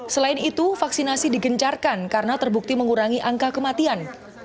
selain itu vaksinasi digencarkan karena terbukti mengurangi angka kematian